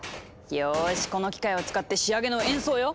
よしこの機械を使って仕上げの演奏よ！